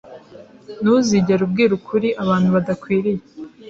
Ntuzigere ubwira ukuri abantu badakwiriye.